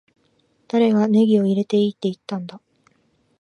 誰がネギを入れていいって言ったんだ